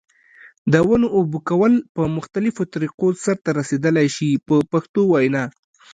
د ونو اوبه کول په مختلفو طریقو سرته رسیدلای شي په پښتو وینا.